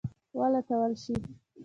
ولټول شي.